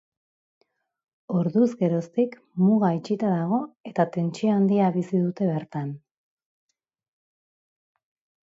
Orduz geroztik muga itxita dago eta tentsio handia bizi dute bertan.